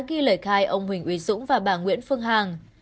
khai ông huỳnh uy dũng và bà nguyễn phương hằng